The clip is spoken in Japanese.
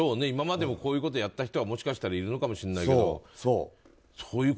今までもこういうことをやった人は、もしかしたらいるかもしれないけど。